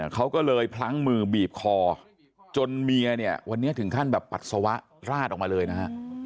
เขาก็เลยพลั้งมือบีบคอจนเมียเนี่ยวันนี้ถึงขั้นแบบปัสสาวะราดออกมาเลยนะฮะ